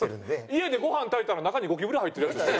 家でご飯炊いたら中にゴキブリ入ってるヤツですよ。